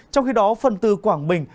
trong khi đó phần từ quảng bình